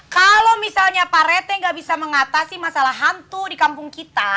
kalau misalnya pak rete nggak bisa mengatasi masalah hantu di kampung kita